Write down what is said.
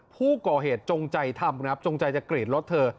ผู้ก่อเหตุจงใจทำครับจงใจจะกรีดรถเธอ